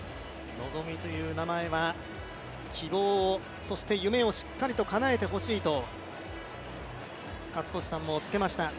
希実という名前は希望を、そして、夢をしっかり、かなえてほしいと健智さんもつけました。